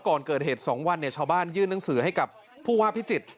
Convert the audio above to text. ก่อนเกิดเหตุ๒วันชาวบ้านยื่นหนังสือให้กับผู้ว่าพิจิตร